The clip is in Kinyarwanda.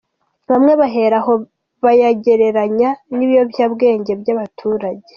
Bamwe bahera aho bayagereranya n’ibiyobyabwenge by’abaturage.